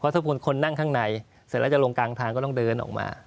ถ้าคนนั่งข้างในเสร็จแล้วจะลงกลางทางก็ต้องเดินออกมา